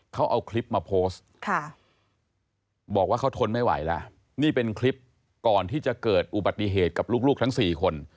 เขาเอาคลิปมาโพสต์บอกว่าเขาทนไม่ไหวแล้วนี่เป็นคลิปก่อนที่จะเกิดอุบัติเหตุกับลูกทั้ง๔คน